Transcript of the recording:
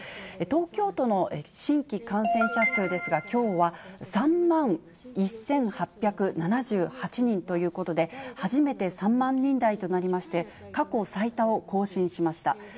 東京都の新規感染者数ですが、きょうは３万１８７８人ということで、初めて３万人台となりまして、過去最多を更新しました。